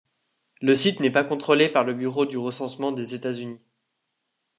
Le site n'est pas contrôlé par le Bureau du recensement des États-Unis.